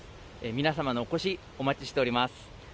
皆さまのお越し、お待ちしております。